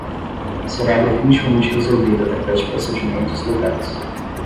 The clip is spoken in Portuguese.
Será definitivamente resolvido através de procedimentos legais